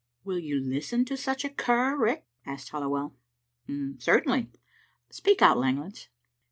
'" "Will you listen to such a cur, Riach?" asked Halli well. "Certainly. Speak out, Langlands."